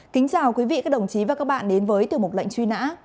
kính chào quý vị các đồng chí và các bạn đến với từ một lệnh truy nã